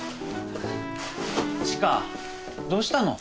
知花どうしたの？